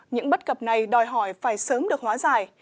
những bất cập này đòi hỏi phải sớm được hóa giải